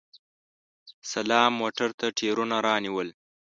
سلام موټر ته ټیرونه رانیول!